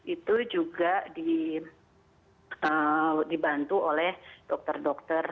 itu juga dibantu oleh dokter dokter